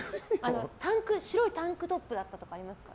白いタンクトップだったとかありますか？